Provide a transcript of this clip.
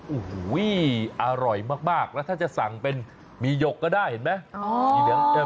โอ้โหอร่อยมากแล้วถ้าจะสั่งเป็นมีหยกก็ได้เห็นไหม